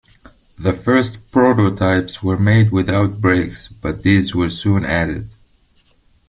The first prototypes were made without brakes, but these were soon added.